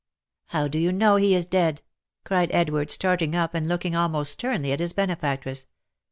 " How do you know he is dead ?" cried Edward, starting up, and looking almost sternly at his benefactress.